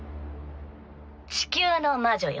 地球の魔女よ。